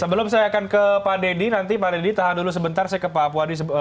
sebelum saya akan ke pak dedy nanti pak dedy tahan dulu sebentar saya ke pak apu hadi